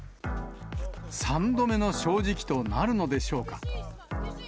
３度目の正直となるのでしょうか。